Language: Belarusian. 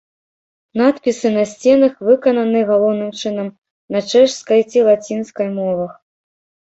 Надпісы на сценах выкананы галоўным чынам на чэшскай ці лацінскай мовах.